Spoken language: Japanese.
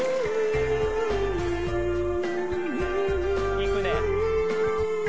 いくね。